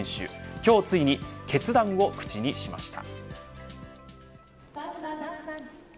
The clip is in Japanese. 今日ついに決断を口にしました。